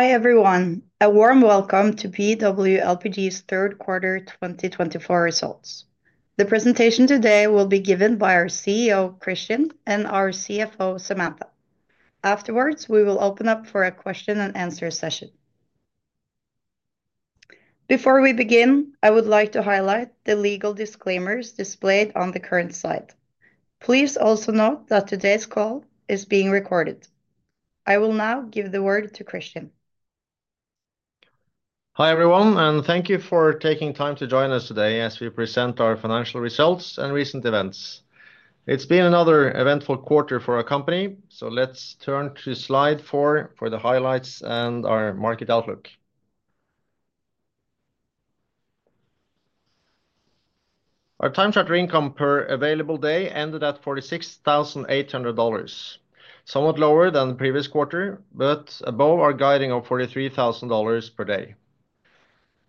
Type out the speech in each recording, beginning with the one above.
Hi everyone, a warm welcome to BW LPG's third quarter 2024 results. The presentation today will be given by our CEO, Kristian, and our CFO, Samantha. Afterwards, we will open up for a question and answer session. Before we begin, I would like to highlight the legal disclaimers displayed on the current slide. Please also note that today's call is being recorded. I will now give the word to Kristian. Hi everyone, and thank you for taking time to join us today as we present our financial results and recent events. It's been another eventful quarter for our company, so let's turn to slide four for the highlights and our market outlook. Our TCE income per available day ended at $46,800, somewhat lower than the previous quarter, but above our guidance of $43,000 per day.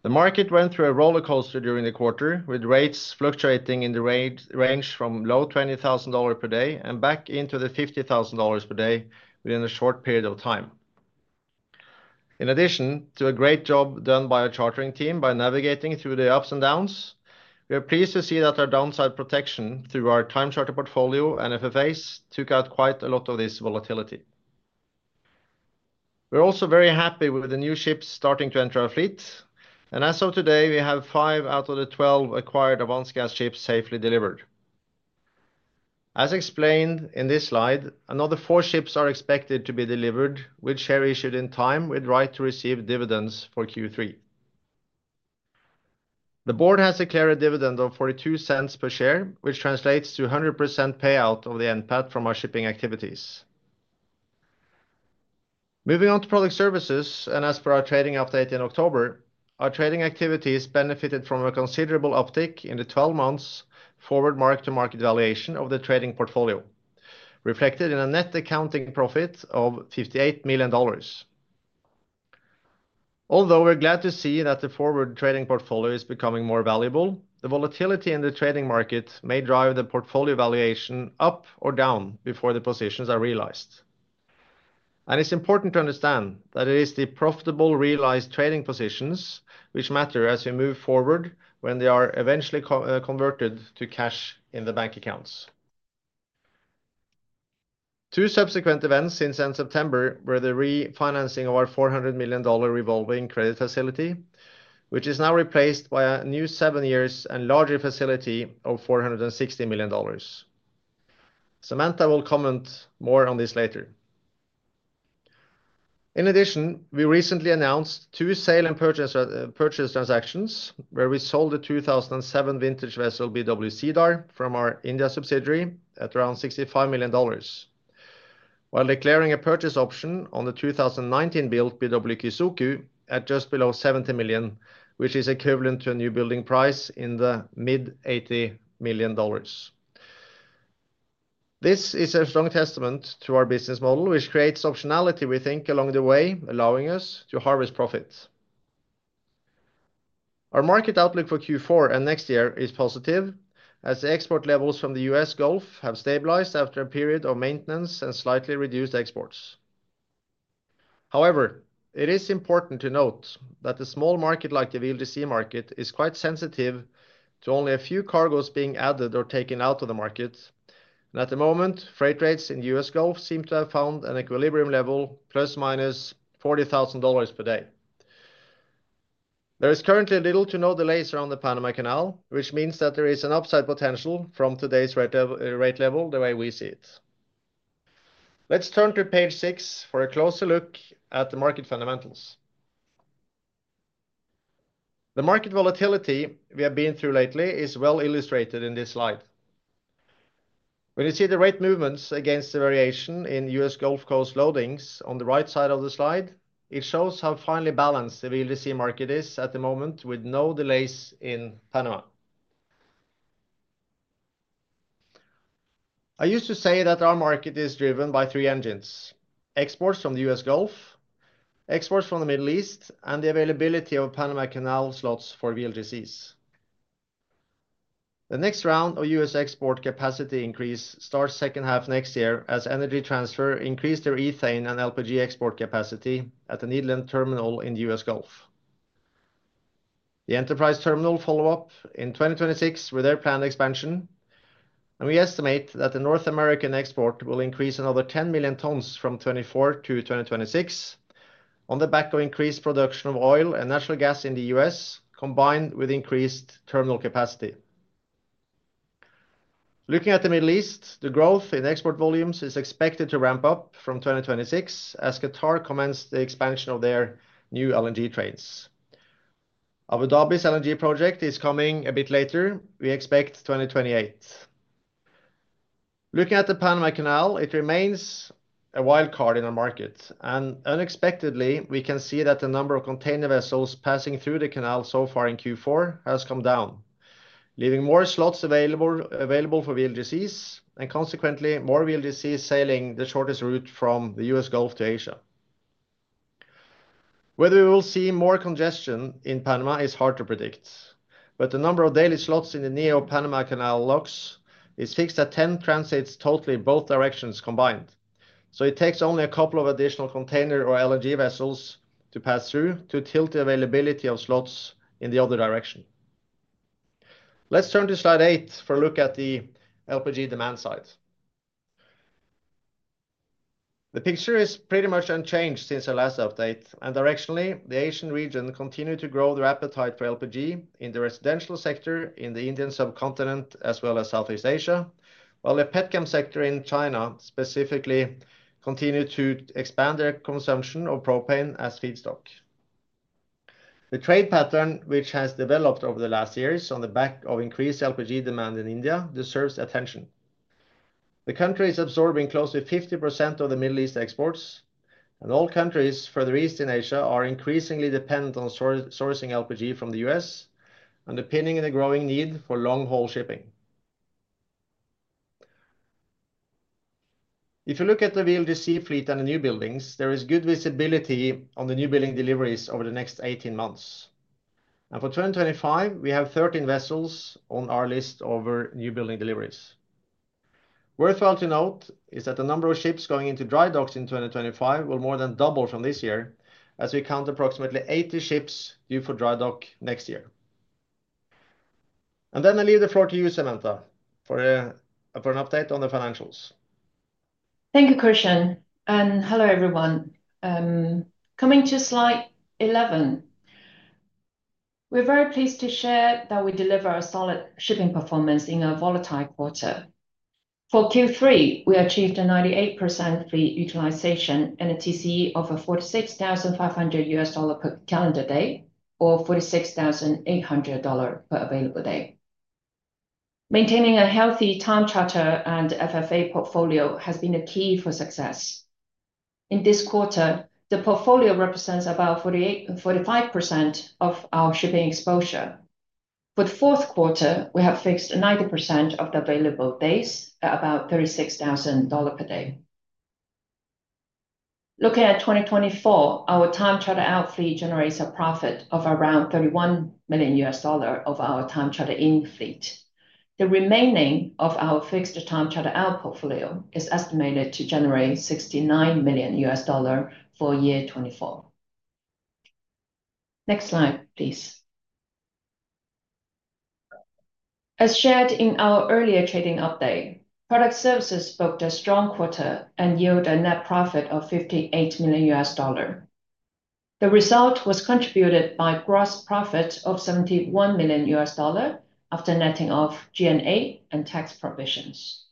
The market went through a roller coaster during the quarter, with rates fluctuating in the range from low $20,000 per day and back into the $50,000 per day within a short period of time. In addition to a great job done by our chartering team by navigating through the ups and downs, we are pleased to see that our downside protection through our time-charter portfolio and FFAs took out quite a lot of this volatility. We're also very happy with the new ships starting to enter our fleet, and as of today, we have five out of the 12 acquired Avance Gas ships safely delivered. As explained in this slide, another four ships are expected to be delivered, which arrive in time with right to receive dividends for Q3. The board has declared a dividend of $0.42 per share, which translates to 100% payout of the NPAT from our shipping activities. Moving on to Product Services, and as per our trading update in October, our trading activities benefited from a considerable uptick in the 12 months forward mark-to-market valuation of the trading portfolio, reflected in a net accounting profit of $58 million. Although we're glad to see that the forward trading portfolio is becoming more valuable, the volatility in the trading market may drive the portfolio valuation up or down before the positions are realized, and it's important to understand that it is the profitable realized trading positions which matter as we move forward when they are eventually converted to cash in the bank accounts. Two subsequent events since end September were the refinancing of our $400 million revolving credit facility, which is now replaced by a new seven-year and larger facility of $460 million. Samantha will comment more on this later. In addition, we recently announced two sale and purchase transactions where we sold the 2007 vintage vessel BW Cedar from our India subsidiary at around $65 million, while declaring a purchase option on the 2019-built BW Kizoku at just below $70 million, which is equivalent to a newbuilding price in the mid-$80 million. This is a strong testament to our business model, which creates optionality, we think, along the way, allowing us to harvest profits. Our market outlook for Q4 and next year is positive, as the export levels from the US Gulf have stabilized after a period of maintenance and slightly reduced exports. However, it is important to note that a small market like the VLGC market is quite sensitive to only a few cargoes being added or taken out of the market, and at the moment, freight rates in the US Gulf seem to have found an equilibrium level ±$40,000 per day. There is currently little to no delays around the Panama Canal, which means that there is an upside potential from today's rate level the way we see it. Let's turn to page six for a closer look at the market fundamentals. The market volatility we have been through lately is well illustrated in this slide. When you see the rate movements against the variation in U.S. Gulf Coast loadings on the right side of the slide, it shows how finely balanced the VLGC market is at the moment with no delays in Panama. I used to say that our market is driven by three engines: exports from the U.S. Gulf, exports from the Middle East, and the availability of Panama Canal slots for VLGCs. The next round of U.S. export capacity increase starts second half next year as Energy Transfer increased their ethane and LPG export capacity at the Nederland terminal in the U.S. Gulf. The Enterprise terminal follow-up in 2026 with their planned expansion, and we estimate that the North American export will increase another 10 million tons from 2024 to 2026 on the back of increased production of oil and natural gas in the U.S., combined with increased terminal capacity. Looking at the Middle East, the growth in export volumes is expected to ramp up from 2026 as Qatar commences the expansion of their new LNG trains. Abu Dhabi's LNG project is coming a bit later. We expect 2028. Looking at the Panama Canal, it remains a wild card in our market, and unexpectedly, we can see that the number of container vessels passing through the canal so far in Q4 has come down, leaving more slots available for VLGCs and consequently more VLGCs sailing the shortest route from the US Gulf to Asia. Whether we will see more congestion in Panama is hard to predict, but the number of daily slots in the Neo Panama Canal locks is fixed at 10 transits totally both directions combined, so it takes only a couple of additional container or LNG vessels to pass through to tilt the availability of slots in the other direction. Let's turn to slide eight for a look at the LPG demand side. The picture is pretty much unchanged since our last update, and directionally, the Asian region continued to grow their appetite for LPG in the residential sector in the Indian subcontinent as well as Southeast Asia, while the petchem sector in China specifically continued to expand their consumption of propane as feedstock. The trade pattern which has developed over the last years on the back of increased LPG demand in India deserves attention. The country is absorbing close to 50% of the Middle East exports, and all countries further east in Asia are increasingly dependent on sourcing LPG from the U.S., underpinning the growing need for long-haul shipping. If you look at the VLGC fleet and the new buildings, there is good visibility on the new building deliveries over the next 18 months, and for 2025, we have 13 vessels on our list over new building deliveries. Worthwhile to note is that the number of ships going into dry docks in 2025 will more than double from this year as we count approximately 80 ships due for dry dock next year, and then I leave the floor to you, Samantha, for an update on the financials. Thank you, Kristian, and hello everyone. Coming to slide 11, we're very pleased to share that we deliver a solid shipping performance in a volatile quarter. For Q3, we achieved a 98% fleet utilization and a TCE of $46,500 per calendar day or $46,800 per available day. Maintaining a healthy time charter and FFA portfolio has been a key for success. In this quarter, the portfolio represents about 45% of our shipping exposure. For the fourth quarter, we have fixed 90% of the available days, about $36,000 per day. Looking at 2024, our time charter out fleet generates a profit of around $31 million of our time charter in fleet. The remaining of our fixed time charter out portfolio is estimated to generate $69 million for 2024. Next slide, please. As shared in our earlier trading update, Product Services spoke to a strong quarter and yielded a net profit of $58 million. The result was contributed by gross profit of $71 million after netting off G&A and tax provisions.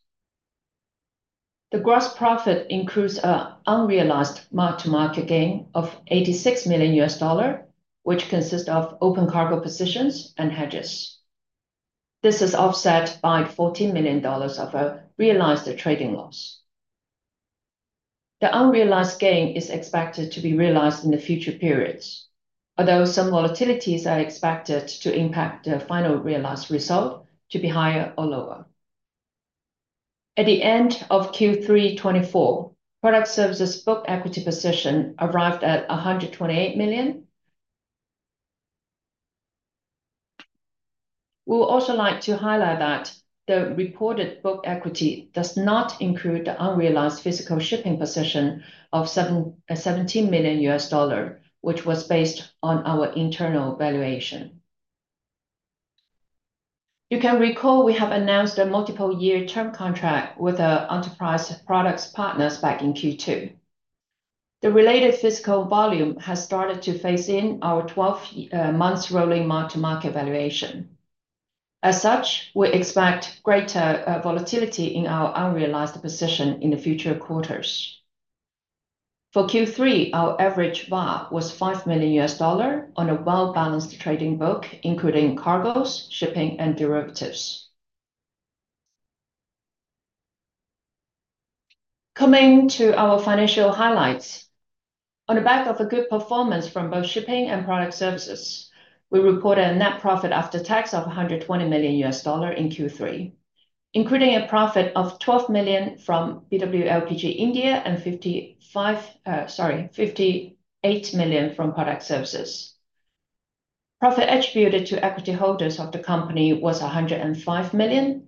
The gross profit includes an unrealized mark-to-market gain of $86 million, which consists of open cargo positions and hedges. This is offset by $14 million of a realized trading loss. The unrealized gain is expected to be realized in the future periods, although some volatilities are expected to impact the final realized result to be higher or lower. At the end of Q3 2024, Product Services book equity position arrived at $128 million. We would also like to highlight that the reported book equity does not include the unrealized physical shipping position of $17 million, which was based on our internal valuation. You can recall we have announced a multiple-year term contract with our Enterprise Products Partners back in Q2. The related physical volume has started to phase in our 12-month rolling Mark-to-Market valuation. As such, we expect greater volatility in our unrealized position in the future quarters. For Q3, our average VAR was $5 million on a well-balanced trading book, including cargoes, shipping, and derivatives. Coming to our financial highlights, on the back of a good performance from both shipping and Product Services, we reported a net profit after tax of $120 million in Q3, including a profit of $12 million from BW LPG India and $58 million from Product Services. Profit attributed to equity holders of the company was $105 million,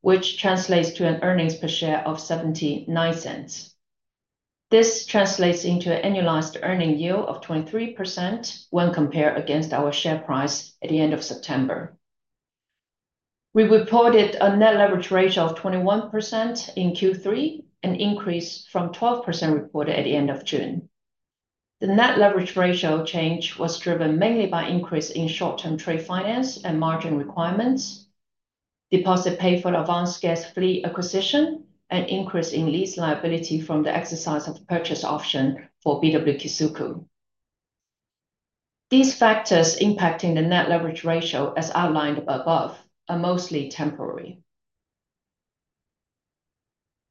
which translates to an earnings per share of $0.79. This translates into an annualized earning yield of 23% when compared against our share price at the end of September. We reported a net leverage ratio of 21% in Q3, an increase from 12% reported at the end of June. The net leverage ratio change was driven mainly by increase in short-term trade finance and margin requirements, deposit pay for Avance Gas fleet acquisition, and increase in lease liability from the exercise of purchase option for BW Kizoku. These factors impacting the net leverage ratio, as outlined above, are mostly temporary.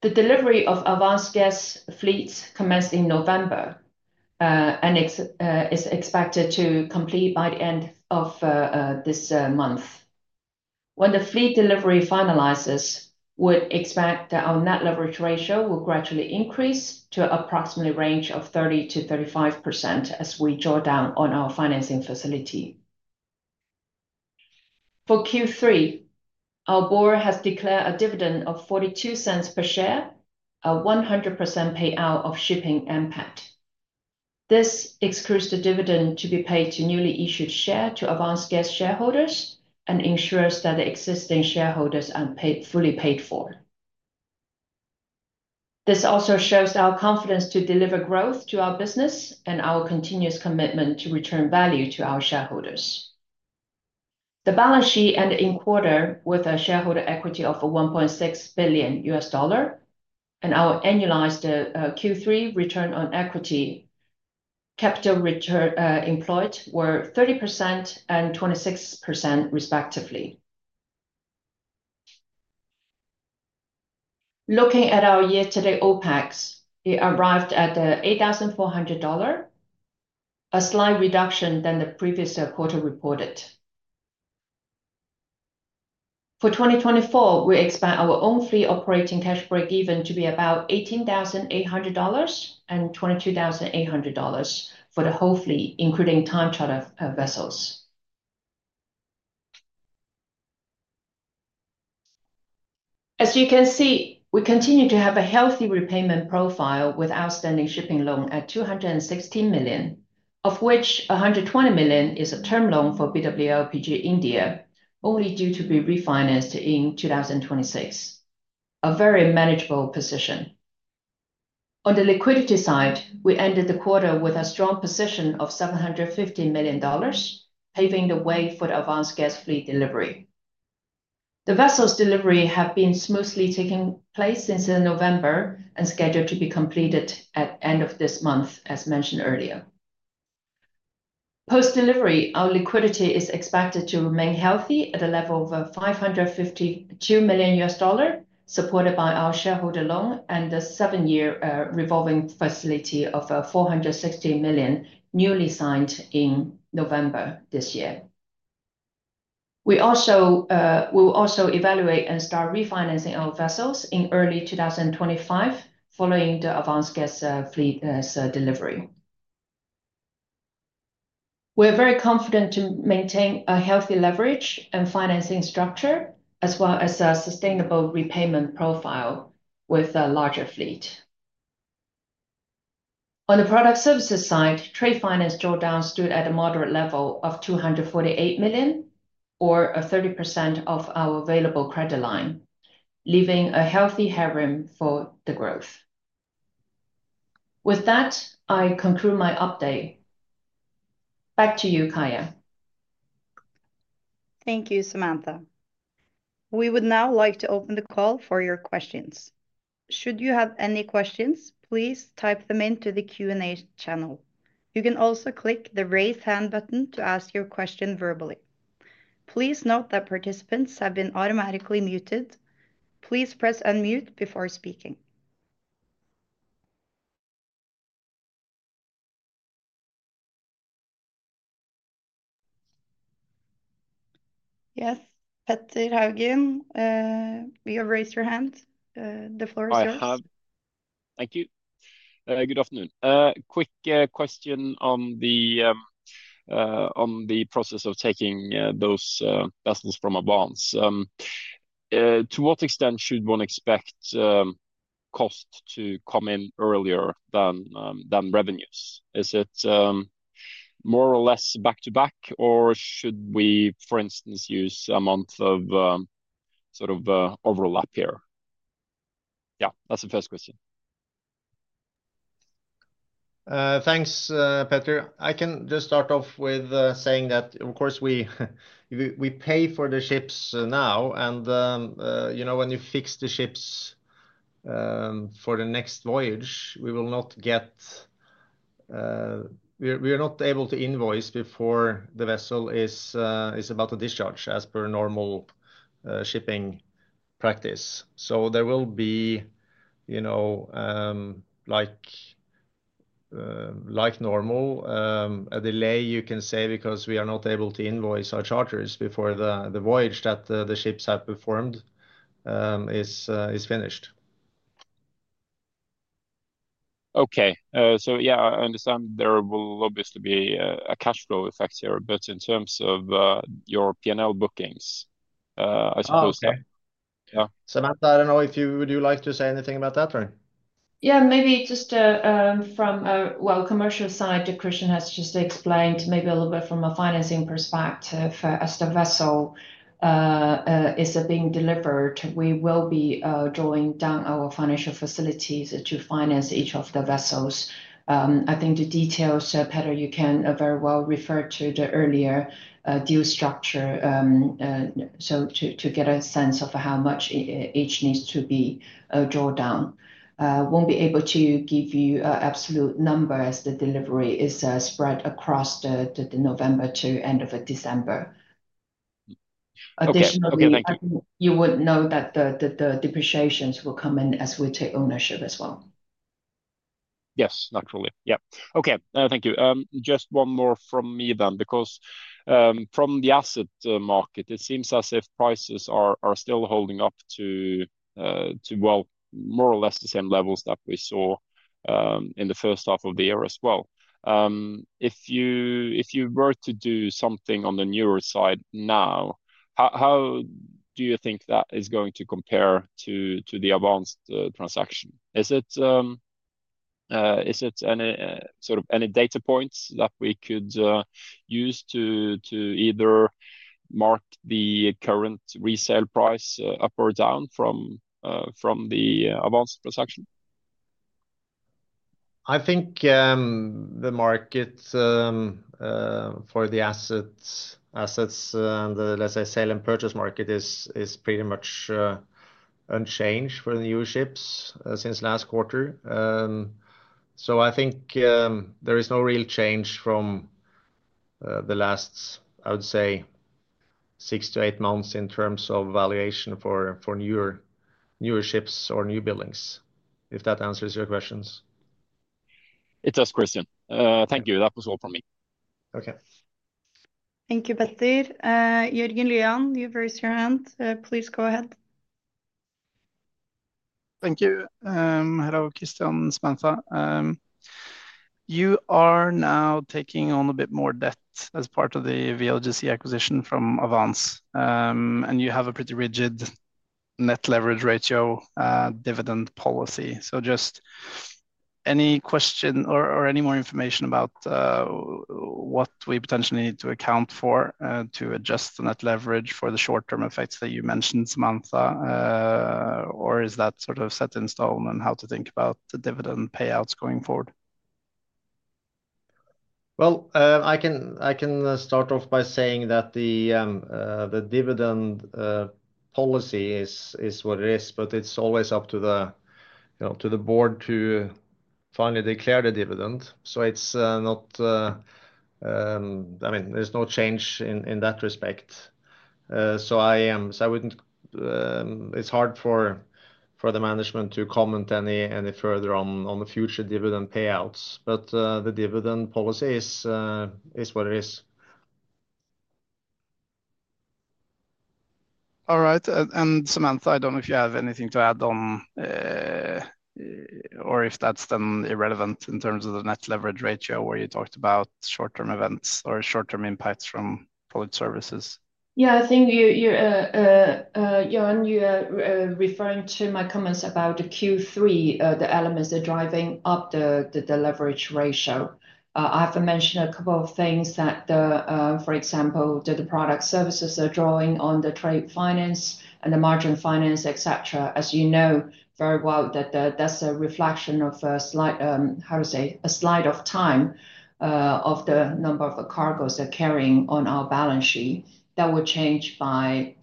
The delivery of Avance Gas fleets commenced in November and is expected to complete by the end of this month. When the fleet delivery finalizes, we would expect that our net leverage ratio will gradually increase to an approximate range of 30%-35% as we draw down on our financing facility. For Q3, our board has declared a dividend of $0.42 per share, a 100% payout of shipping NPAT. This excludes the dividend to be paid to newly issued shares to Avance Gas shareholders and ensures that the existing shareholders are fully paid for. This also shows our confidence to deliver growth to our business and our continuous commitment to return value to our shareholders. The balance sheet ended the quarter with a shareholder equity of $1.6 billion and our annualized Q3 return on equity capital employed were 30% and 26%, respectively. Looking at our year-to-date OpEx, it arrived at $8,400, a slight reduction from the previous quarter reported. For 2024, we expect our own fleet operating cash break-even to be about $18,800 and $22,800 for the whole fleet, including time charter vessels. As you can see, we continue to have a healthy repayment profile with outstanding shipping loan at $216 million, of which $120 million is a term loan for BW LPG India, only due to be refinanced in 2026, a very manageable position. On the liquidity side, we ended the quarter with a strong position of $750 million, paving the way for the Avance Gas fleet delivery. The vessels' delivery has been smoothly taking place since November and scheduled to be completed at the end of this month, as mentioned earlier. Post-delivery, our liquidity is expected to remain healthy at a level of $552 million, supported by our shareholder loan and the seven-year revolving facility of $460 million newly signed in November this year. We will also evaluate and start refinancing our vessels in early 2025 following the Avance Gas fleet's delivery. We are very confident to maintain a healthy leverage and financing structure as well as a sustainable repayment profile with a larger fleet. On the Product Services side, trade finance drawdown stood at a moderate level of $248 million, or 30% of our available credit line, leaving a healthy headroom for the growth. With that, I conclude my update. Back to you, Kaia. Thank you, Samantha. We would now like to open the call for your questions. Should you have any questions, please type them into the Q&A channel. You can also click the raise hand button to ask your question verbally. Please note that participants have been automatically muted. Please press unmute before speaking. Yes, Petter Haugen, you have raised your hand. The floor is yours. I have. Thank you. Good afternoon. Quick question on the process of taking those vessels from Avance. To what extent should one expect cost to come in earlier than revenues? Is it more or less back to back, or should we, for instance, use a month of sort of overlap here? Yeah, that's the first question. Thanks, Petter. I can just start off with saying that, of course, we pay for the ships now, and when you fix the ships for the next voyage, we will not get, we are not able to invoice before the vessel is about to discharge as per normal shipping practice. So there will be, like normal, a delay, you can say, because we are not able to invoice our charterers before the voyage that the ships have performed is finished. Okay. So yeah, I understand there will obviously be a cash flow effect here, but in terms of your P&L bookings, I suppose. Okay. Yeah. Samantha, I don't know if you would like to say anything about that, or? Yeah, maybe just from a, well, commercial side, Kristian has just explained maybe a little bit from a financing perspective, as the vessel is being delivered, we will be drawing down our financial facilities to finance each of the vessels. I think the details, Petter, you can very well refer to the earlier deal structure to get a sense of how much each needs to be drawn down. I won't be able to give you an absolute number as the delivery is spread across November to the end of December. Okay. Thank you. Additionally, you would know that the depreciations will come in as we take ownership as well. Yes, naturally. Yeah. Okay. Thank you. Just one more from me then, because from the asset market, it seems as if prices are still holding up to, well, more or less the same levels that we saw in the first half of the year as well. If you were to do something on the newer side now, how do you think that is going to compare to the Avance transaction? Is it any sort of data points that we could use to either mark the current resale price up or down from the Avance transaction? I think the market for the assets and, let's say, sale and purchase market is pretty much unchanged for the new ships since last quarter. So I think there is no real change from the last, I would say, six to eight months in terms of valuation for newer ships or new buildings, if that answers your questions. It does, Kristian. Thank you. That was all from me. Okay. Thank you, Petter. Jørgen Lyan, you've raised your hand. Please go ahead. Thank you. Hello, Kristian Sørensen. You are now taking on a bit more debt as part of the VLGC acquisition from Avance, and you have a pretty rigid net leverage ratio dividend policy. So just any question or any more information about what we potentially need to account for to adjust the net leverage for the short-term effects that you mentioned, Samantha, or is that sort of set in stone on how to think about the dividend payouts going forward? I can start off by saying that the dividend policy is what it is, but it's always up to the board to finally declare the dividend. So it's not—I mean, there's no change in that respect. So I wouldn't—it's hard for the management to comment any further on the future dividend payouts, but the dividend policy is what it is. All right. And Samantha, I don't know if you have anything to add on or if that's then irrelevant in terms of the net leverage ratio where you talked about short-term events or short-term impacts from Product Services? Yeah, I think, Jørgen, you are referring to my comments about Q3, the elements that are driving up the leverage ratio. I have to mention a couple of things that, for example, the Product Services are drawing on the trade finance and the margin finance, etc. As you know very well, that that's a reflection of a slight, how to say, a slide of time of the number of cargoes that are carrying on our balance sheet that will change by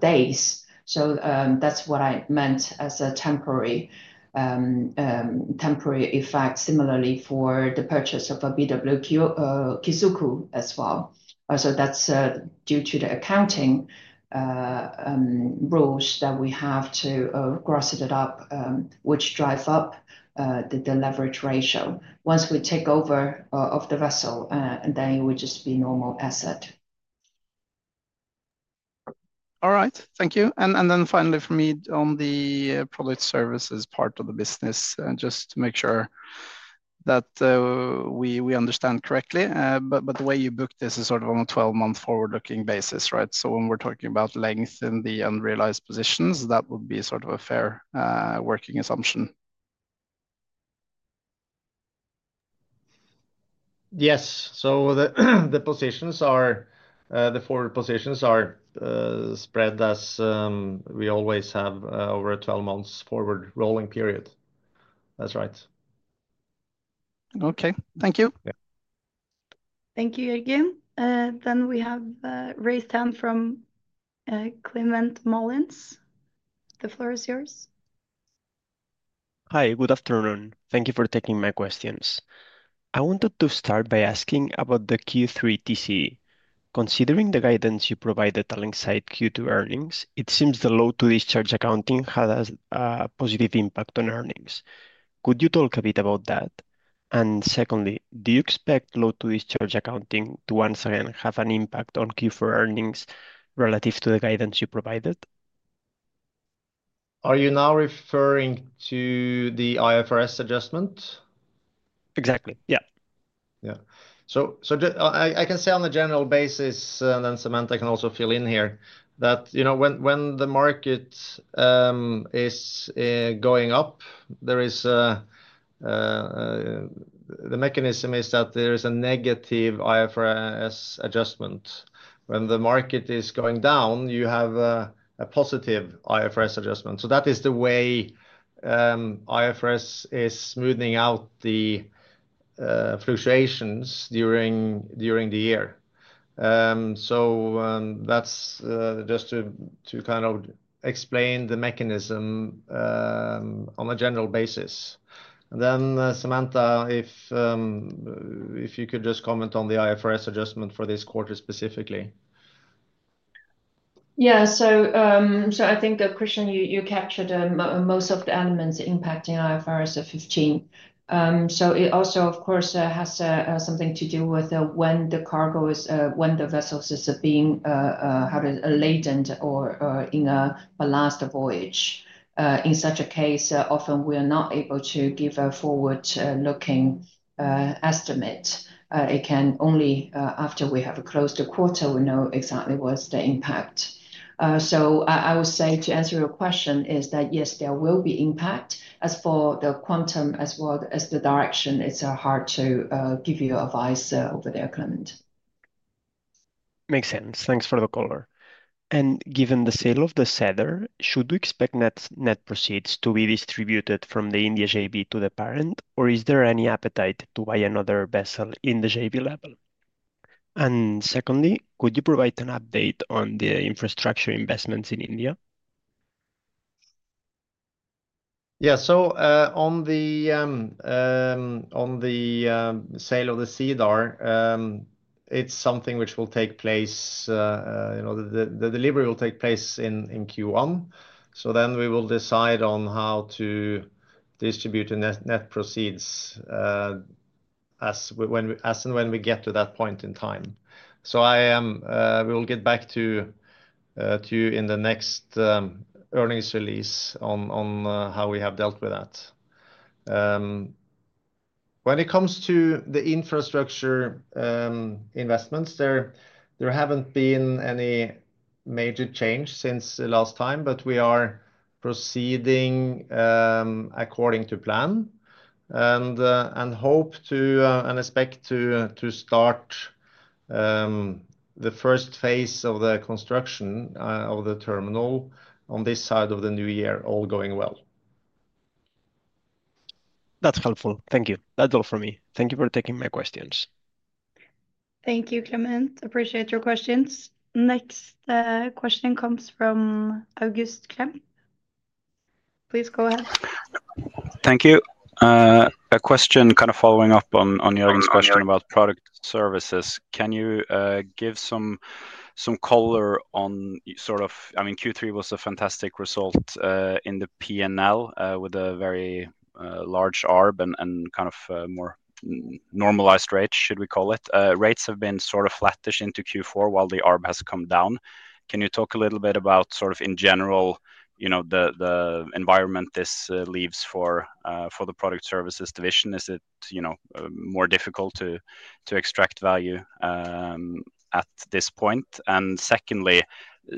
days. So that's what I meant as a temporary effect, similarly for the purchase of a BW Kizoku as well. So that's due to the accounting rules that we have to gross it up, which drive up the leverage ratio once we take over of the vessel, and then it would just be normal asset. All right. Thank you. And then finally for me on the Product Services part of the business, just to make sure that we understand correctly, but the way you booked this is sort of on a 12-month forward-looking basis, right? So when we're talking about length in the unrealized positions, that would be sort of a fair working assumption. Yes. So the positions are, the forward positions are spread as we always have over a 12-month forward rolling period. That's right. Okay. Thank you. Thank you, Jørgen. Then we have raised hand from Climent Molins. The floor is yours. Hi, good afternoon. Thank you for taking my questions. I wanted to start by asking about the Q3 TCE. Considering the guidance you provided alongside Q2 earnings, it seems the Load-to-Discharge accounting had a positive impact on earnings. Could you talk a bit about that? And secondly, do you expect Load-to-Discharge accounting to, once again, have an impact on Q4 earnings relative to the guidance you provided? Are you now referring to the IFRS adjustment? Exactly. Yeah. Yeah. So I can say on a general basis, and then Samantha can also fill in here, that when the market is going up, the mechanism is that there is a negative IFRS adjustment. When the market is going down, you have a positive IFRS adjustment. So that is the way IFRS is smoothing out the fluctuations during the year. So that's just to kind of explain the mechanism on a general basis. And then, Samantha, if you could just comment on the IFRS adjustment for this quarter specifically. Yeah. So I think, Kristian, you captured most of the elements impacting IFRS 15. So it also, of course, has something to do with when the cargo is, when the vessels are being, how to say, laden or in a last voyage. In such a case, often we are not able to give a forward-looking estimate. It can only, after we have closed the quarter, we know exactly what's the impact. So I would say, to answer your question, is that, yes, there will be impact. As for the quantum as well as the direction, it's hard to give you a view on that, Clement. Makes sense. Thanks for the call. And given the sale of the Cedar, should we expect net proceeds to be distributed from the Indian sub to the parent, or is there any appetite to buy another vessel in the sub level? And secondly, could you provide an update on the infrastructure investments in India? Yeah. So on the sale of the Cedar, it's something which will take place, the delivery will take place in Q1. So then we will decide on how to distribute the net proceeds as and when we get to that point in time. So we will get back to you in the next earnings release on how we have dealt with that. When it comes to the infrastructure investments, there haven't been any major change since last time, but we are proceeding according to plan and hope to and expect to start the first phase of the construction of the terminal on this side of the new year all going well. That's helpful. Thank you. That's all for me. Thank you for taking my questions. Thank you, Climent. Appreciate your questions. Next question comes from August Klemp. Please go ahead. Thank you. A question kind of following up on Jørgen's question about product services. Can you give some color on sort of—I mean, Q3 was a fantastic result in the P&L with a very large ARB and kind of more normalized rate, should we call it. Rates have been sort of flattish into Q4 while the ARB has come down. Can you talk a little bit about sort of, in general, the environment this leaves for the Product Services division? Is it more difficult to extract value at this point? And secondly,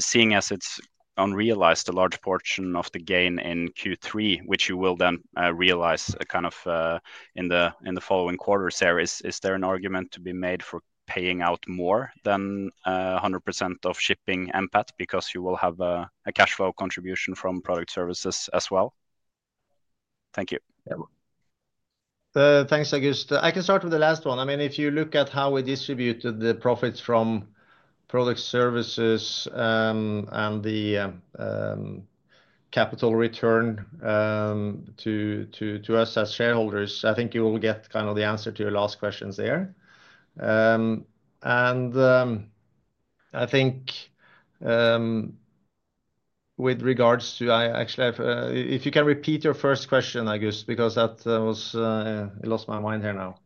seeing as it's unrealized, a large portion of the gain in Q3, which you will then realize kind of in the following quarters here, is there an argument to be made for paying out more than 100% of shipping NPAT because you will have a cash flow contribution from Product Services as well? Thank you. Thanks, August. I can start with the last one. I mean, if you look at how we distributed the profits from Product Services and the capital return to us as shareholders, I think you will get kind of the answer to your last questions there. And I think with regards to-actually, if you can repeat your first question, August, because that was-I lost my mind here now.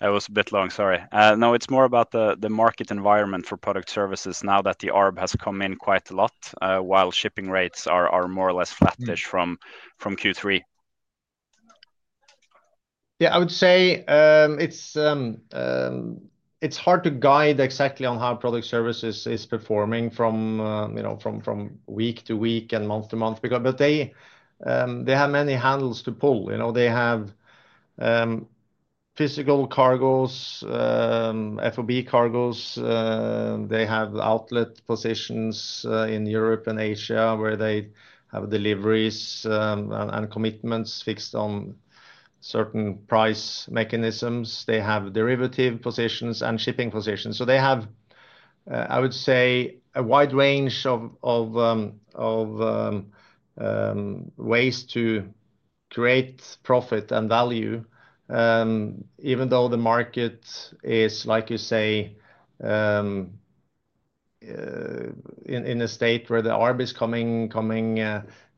That was a bit long. Sorry. No, it's more about the market environment for Product Services now that the ARB has come in quite a lot while shipping rates are more or less flattish from Q3. Yeah, I would say it's hard to guide exactly on how Product Services is performing from week to week and month to month, but they have many handles to pull. They have physical cargoes, FOB cargoes. They have outlet positions in Europe and Asia where they have deliveries and commitments fixed on certain price mechanisms. They have derivative positions and shipping positions. So they have, I would say, a wide range of ways to create profit and value, even though the market is, like you say, in a state where the ARB is coming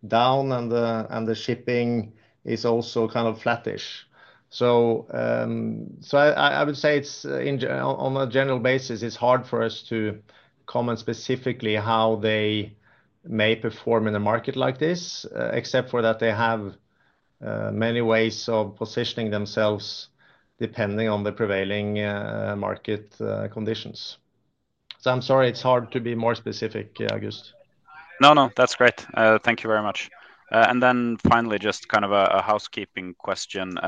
down and the shipping is also kind of flattish. So I would say, on a general basis, it's hard for us to comment specifically how they may perform in a market like this, except for that they have many ways of positioning themselves depending on the prevailing market conditions. So I'm sorry, it's hard to be more specific, August. No, no, that's great. Thank you very much. And then finally, just kind of a housekeeping question.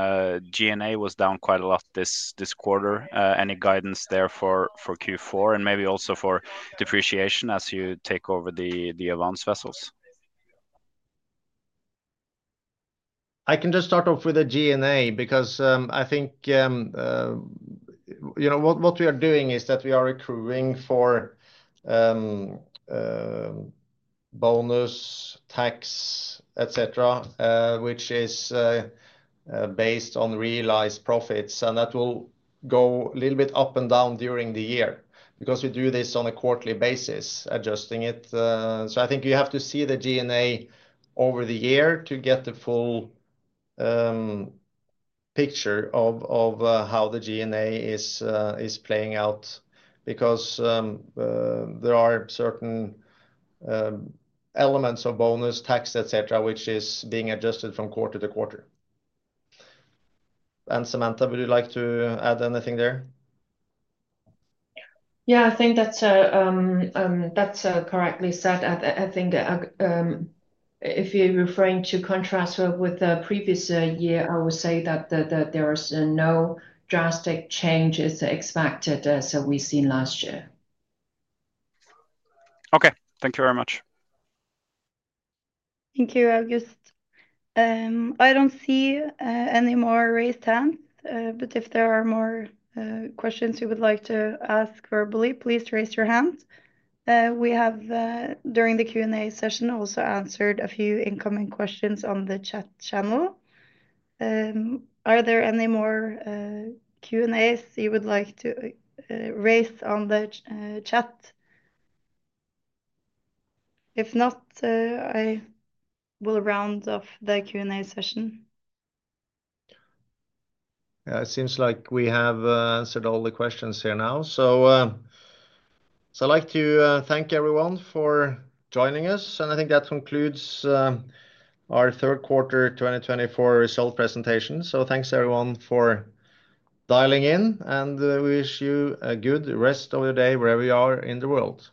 G&A was down quite a lot this quarter. Any guidance there for Q4 and maybe also for depreciation as you take over the Avance vessels? I can just start off with the G&A because I think what we are doing is that we are accruing for bonus, tax, etc., which is based on realized profits, and that will go a little bit up and down during the year because we do this on a quarterly basis, adjusting it, so I think you have to see the G&A over the year to get the full picture of how the G&A is playing out because there are certain elements of bonus, tax, etc., which is being adjusted from quarter-to-quarter, and Samantha, would you like to add anything there? Yeah, I think that's correctly said. I think if you're referring to contrast with the previous year, I would say that there are no drastic changes expected as we've seen last year. Okay. Thank you very much. Thank you, August. I don't see any more raised hands, but if there are more questions you would like to ask verbally, please raise your hand. We have, during the Q&A session, also answered a few incoming questions on the chat channel. Are there any more Q&As you would like to raise on the chat? If not, I will round off the Q&A session. Yeah, it seems like we have answered all the questions here now. So I'd like to thank everyone for joining us, and I think that concludes our third quarter 2024 results presentation. So thanks, everyone, for dialing in, and we wish you a good rest of your day wherever you are in the world.